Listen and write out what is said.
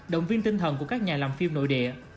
động viên tinh thần của các nhà làm phim nội địa